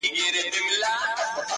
ټولنه چوپتيا ته ترجېح ورکوي تل,